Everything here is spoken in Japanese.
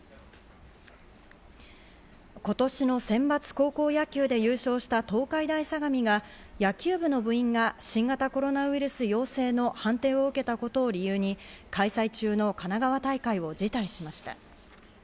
今年のセンバツ高校野球で優勝した東海大相模が野球部の部員が新型コロナウイルス陽性の判定を受けたことを理由に開催中の神奈川大会を辞退しました。